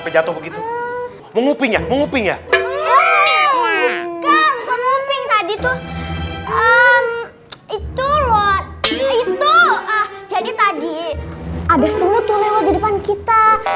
jatuh begitu menguping menguping ya itu loh itu jadi tadi ada semut lewat depan kita